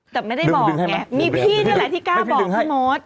แต่ไม่ได้บอกไงมีพี่นี่แหละที่กล้าบอกพี่มด